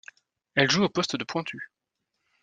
Elle joue au poste de pointue.